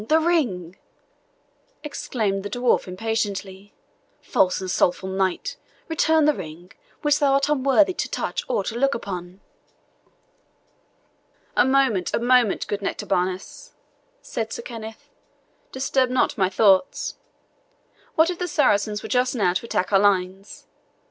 the ring!" exclaimed the dwarf impatiently; "false and slothful knight, return the ring, which thou art unworthy to touch or to look upon." "A moment, a moment, good Nectabanus," said Sir Kenneth; "disturb not my thoughts. What if the Saracens were just now to attack our lines?